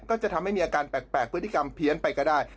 ก็จะทำให้มีอาการแปลกพฤติกรรมเพี้ยนไปก็ได้